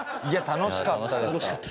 楽しかった。